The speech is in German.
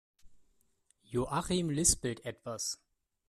Joachim lispelt etwas.